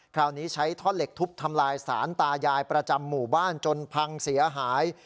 คราวนี้ใช้ท่อนเหล็กทุบทำลายสารตายายประจำหมู่บ้านจนพังเสียหาย